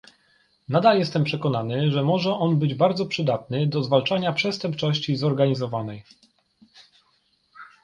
Nadal jestem przekonany, że może on być bardzo przydatny do zwalczania przestępczości zorganizowanej